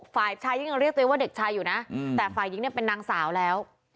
ฝ่ายิงเรียกตัวเองว่าเด็กชายอยู่นะแต่ฝ่ายิงเป็นนางสาวแล้ว